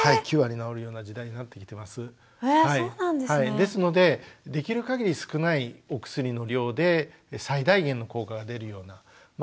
ですのでできるかぎり少ないお薬の量で最大限の効果が出るようなまあ